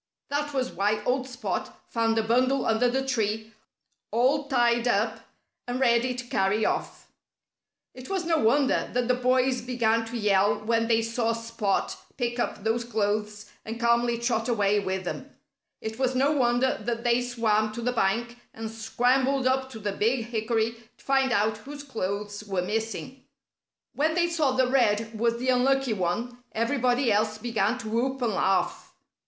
That was why old Spot found a bundle under the tree, all tied up and ready to carry off. It was no wonder that the boys began to yell when they saw Spot pick up those clothes and calmly trot away with them. It was no wonder that they swam to the bank and scrambled up to the big hickory to find out whose clothes were missing. When they saw that Red was the unlucky one, everybody else began to whoop and laugh.